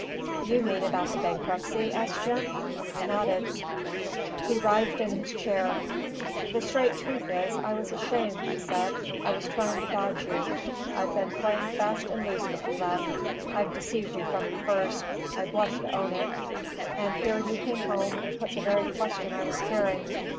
"You mean about the bankruptcy?" asked Jim. I nodded. He writhed in his chair. "The straight truth is, I was ashamed," he said. "I was trying to dodge you. I've been playing fast and loose with you, Loudon; I've deceived you from the first, I blush to own it. And here you came home and put the very question I was fearing.